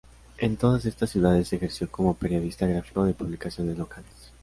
En todas estas ciudades ejerció como periodista gráfico de publicaciones locales.